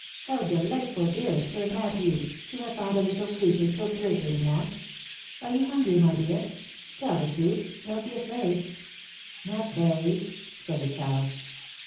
" How delightful, dearest Sir Matthew, to have found a little creature so greatly in want! Are you hungry, my dear? Tell the truth— don't be afraid." " Not very," said the child.